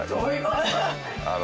あの。